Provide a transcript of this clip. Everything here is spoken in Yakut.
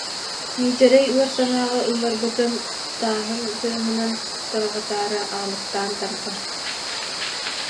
Миитэрэй ыар санааҕа ылларбытын тааһын тыаһынан тарҕатаары аалыктаан тардар.